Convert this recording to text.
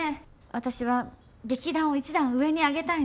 私は劇団を一段上に上げたいの。